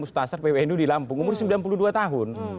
stasar pwnu di lampung umur sembilan puluh dua tahun